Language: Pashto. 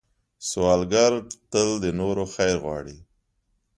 سوالګر تل د نورو خیر غواړي